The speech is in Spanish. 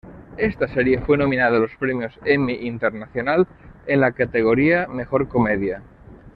Esta serie fue nominada a los Premios Emmy Internacional en la categoría Mejor comedia.